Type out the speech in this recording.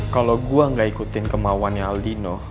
kalo gua ga ikutin kemauannya aldino